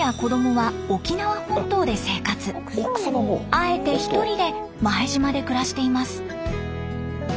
あえて１人で前島で暮らしています。